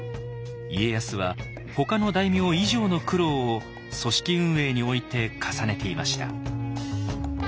家康はほかの大名以上の苦労を組織運営において重ねていました。